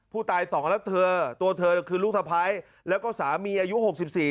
สองแล้วเธอตัวเธอคือลูกสะพ้ายแล้วก็สามีอายุหกสิบสี่